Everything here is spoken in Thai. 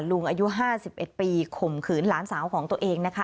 ลุงอายุ๕๑ปีข่มขืนหลานสาวของตัวเองนะคะ